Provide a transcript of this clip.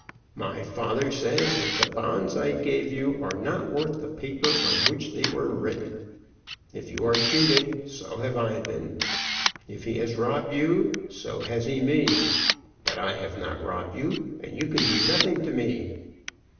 My father says that the bonds I gave you are not worth the paper on which they were written. If you are cheated, so have I been. If he has robbed you, so has he me. But I have not robbed you, and you can do nothing to me."